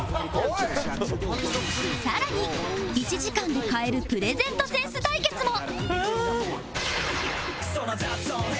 更に１時間で買えるプレゼントセンス対決も